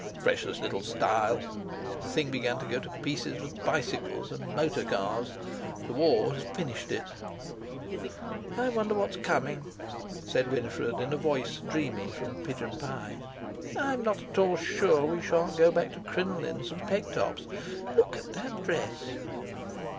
"Precious little style. The thing began to go to pieces with bicycles and motor cars; the War has finished it." "I wonder what's coming?" said Winifred in a voice dreamy from pigeon pie. "I'm not at all sure we shan't go back to crinolines and pegtops. Look at that dress!"